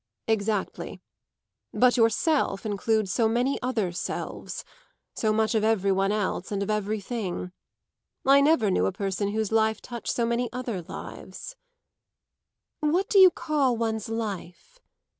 "Exactly; but yourself includes so many other selves so much of every one else and of everything. I never knew a person whose life touched so many other lives." "What do you call one's life?"